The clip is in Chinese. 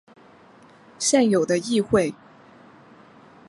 现有的议会。